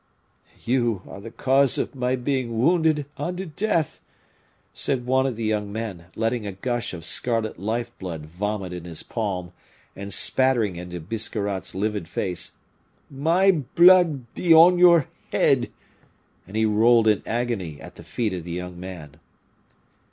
"You are the cause of my being wounded unto death," said one of the young men, letting a gush of scarlet life blood vomit in his palm, and spattering it into Biscarrat's livid face. "My blood be on your head!" And he rolled in agony at the feet of the young man.